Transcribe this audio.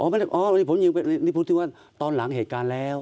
อ๋อไม่ได้อ๋อหยิบปืนยิงนี่พูดถึงว่าตอนหลังเหตุการณ์แล้ว